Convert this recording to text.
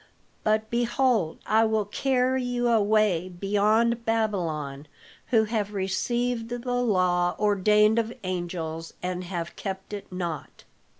But behold, I will carry you away beyond Babylon who have received the law ordained of angels and have kept it not."